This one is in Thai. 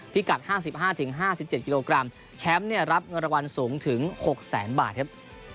พิกัด๕๕๗กิโลกรัมแชมป์เนี่ยรับเงินรางวัลสูงถึง๖แสนบาทครับ